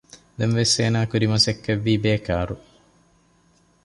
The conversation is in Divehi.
ދެންވެސް އޭނަ ކުރި މަސައްކަތްވީ ބޭކާރު